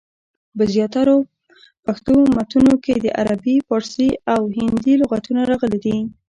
په زیاترو پښتو متونو کي دعربي، پاړسي، او هندي لغتونه راغلي دي.